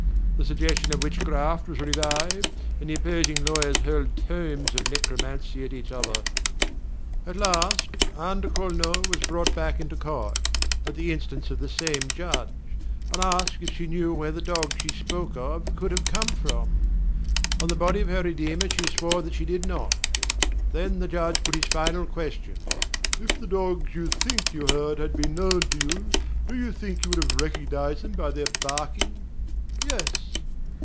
The suggestion of witchcraft was revived, and the opposing lawyers hurled tomes of necromancy at each other. At last Anne de Cornault was brought back into court at the instance of the same Judge and asked if she knew where the dogs she spoke of could have come from. On the body of her Redeemer she swore that she did not. Then the Judge put his final question: "If the dogs you think you heard had been known to you, do you think you would have recognized them by their barking?" "Yes."